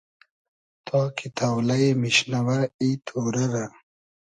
تا کی تۆلݷ میشنئوۂ ای تۉرۂ رۂ